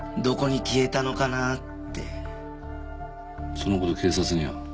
その事警察には？